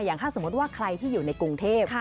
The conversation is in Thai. อย่างถ้าสมมุติว่าใครที่อยู่ในกรุงเทพ